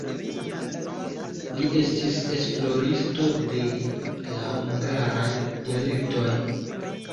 Li estis esploristo de la hungaraj dialektoj.